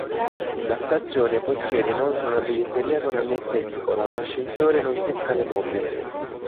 La stazione possiede inoltre una biglietteria con annessa edicola, un ascensore, nonché scale mobili.